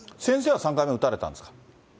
先生は３回目打たれたんですか。